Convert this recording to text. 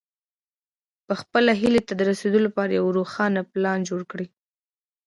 چې خپلې هيلې ته د رسېدو لپاره يو روښانه پلان جوړ کړئ.